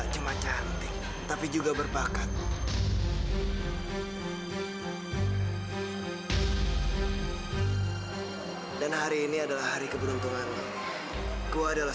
sampai jumpa di video selanjutnya